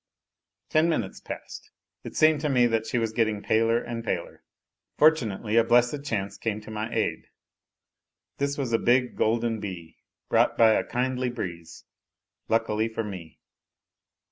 Ten minutes passed, it seemed to me that she was getting paler and paler ... fortunately a blessed chance came to my aid. This was a big, golden bee, brought by a kindly breeze, luckily for me.